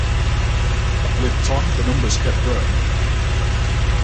With time the numbers kept growing.